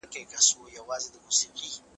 فارابي وايي چي اقلیم د انسان په خوی اغېز لري.